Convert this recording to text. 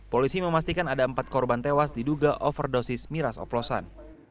polisi memastikan ada empat korban tewas diduga overdosis miras oplosan